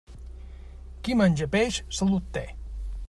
Qui menja peix, salut té.